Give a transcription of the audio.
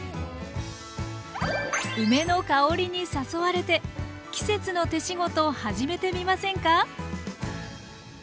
梅の香りに誘われて季節の「手仕事」始めてみませんか？